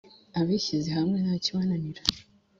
Abishyize hamwe ntakibananira